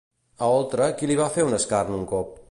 A Oltra, qui li va fer un escarn un cop?